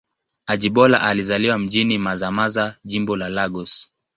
Ajibola alizaliwa mjini Mazamaza, Jimbo la Lagos.